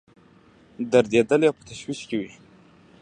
دردېدلي او په تشویش کې وي.